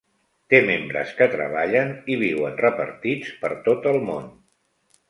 Te membres que treballen i viuen repartits per tot el món.